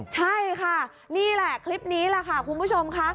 ใช่ค่ะนี่แหละคลิปนี้แหละค่ะคุณผู้ชมค่ะ